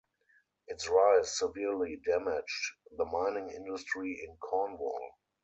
Its rise severely damaged the mining industry in Cornwall.